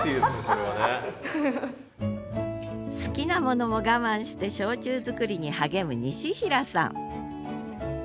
好きなものも我慢して焼酎造りに励む西平さん。